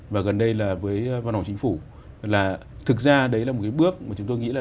với văn hóa chính phủ là thực ra đấy là một cái bước mà chúng tôi nghĩ là